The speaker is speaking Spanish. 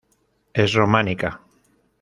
Es románica.